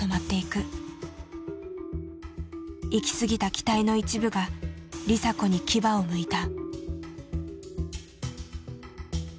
いきすぎた期待の一部が梨紗子に牙をむいた。